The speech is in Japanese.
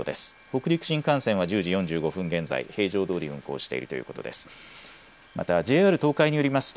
北陸新幹線は１０時４５分現在、平常どおり運行しているということです。